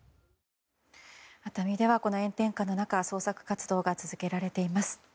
熱海ではこの炎天下の中捜索活動が続けられています。